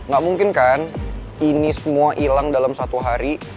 gak mungkin kan ini semua hilang dalam satu hari